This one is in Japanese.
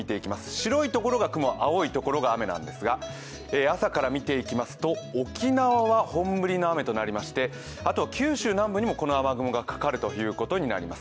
白いところが雲、青いところが雨なんですが朝から見ていきますと沖縄は本降りの雨となりましてあと九州南部にこの雨雲がかかることになります。